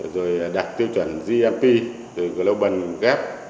rồi đạt tiêu chuẩn gmp global gap